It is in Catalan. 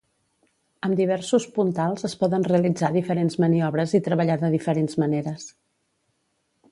Amb diversos puntals es poden realitzar diferents maniobres i treballar de diferents maneres.